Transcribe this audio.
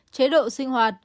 chế độ sinh hoạt